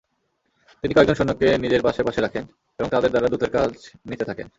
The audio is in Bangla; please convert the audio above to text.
তিনি কয়েকজন সৈন্যকে নিজের পাশে পাশে রাখেন এবং তাদের দ্বারা দূতের কাজ নিতে থাকেন।